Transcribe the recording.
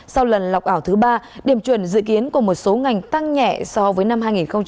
sau lần lọc ảo thứ ba điểm chuẩn dự kiến của một số ngành tăng nhẹ so với năm hai nghìn một mươi tám